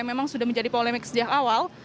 memang sudah menjadi polemik sejak awal